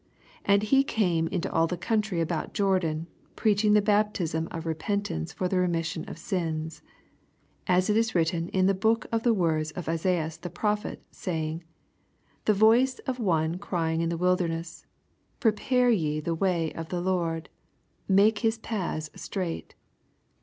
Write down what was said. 8 And he came into all the country about Jordan, preaching the baptism of repentance for the remission of sins. 4 As it is written in the book of ths words of Esaias the prophet, saying, The voice of one orymg in the wil demess, Prepare ye the way of the Lord, make his paths straight.